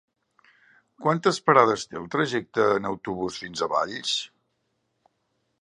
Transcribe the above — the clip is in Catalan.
Quantes parades té el trajecte en autobús fins a Valls?